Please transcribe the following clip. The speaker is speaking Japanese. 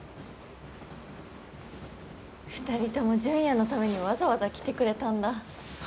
２人ともジュンヤのためにわざわざ来てくれたんだは